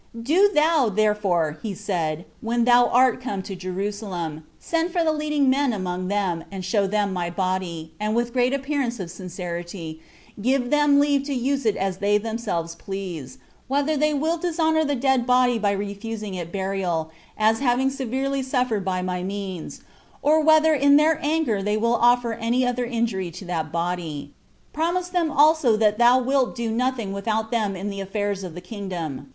"Do thou, therefore," said he, "when thou art come to Jerusalem, send for the leading men among them, and show them my body, and with great appearance of sincerity, give them leave to use it as they themselves please, whether they will dishonor the dead body by refusing it burial, as having severely suffered by my means, or whether in their anger they will offer any other injury to that body. Promise them also that thou wilt do nothing without them in the affairs of the kingdom.